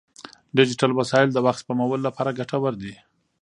ډیجیټل وسایل د وخت سپمولو لپاره ګټور دي.